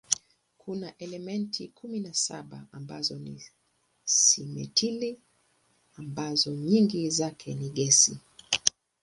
Kuna elementi kumi na saba ambazo ni simetili ambazo nyingi zake ni gesi.